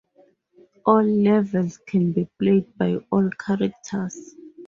All levels can be played by all characters.